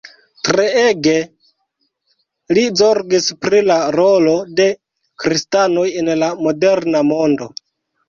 Treege li zorgis pri la rolo de kristanoj en la moderna mondo.